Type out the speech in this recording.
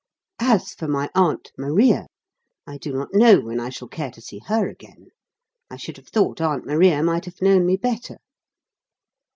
As for my Aunt Maria, I do not know when I shall care to see her again. I should have thought Aunt Maria might have known me better.